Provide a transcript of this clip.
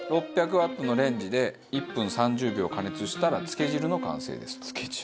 ６００Ｗのレンジで１分３０秒、加熱したらつけ汁の完成です。